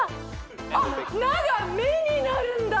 あっ「ナ」が「メ」になるんだ！